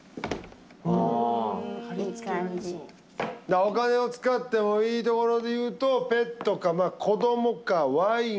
だからお金を使ってもいいところで言うとペットか子どもかワインか。